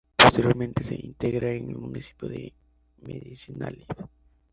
Posteriormente se integra en el municipio de Medinaceli.